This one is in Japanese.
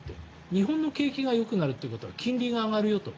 日本の景気がよくなるということは金利が上がるよと。